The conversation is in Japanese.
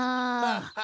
・ハハハ！